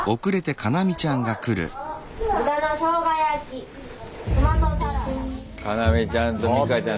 カナミちゃんとミカちゃん